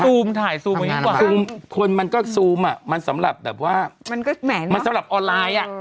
ซูมถ่ายซูมควรมันก็ซูมอ่ะมันสำหรับแบบว่ามันก็มันสำหรับออนไลน์อ่ะ